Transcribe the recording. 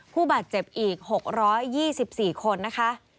ผู้บาดเจ็บอีก๖๒๔คนนะคะ